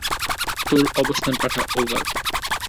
তোর অবস্থান পাঠা, ওভার!